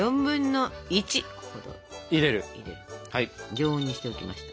常温にしておきましたから。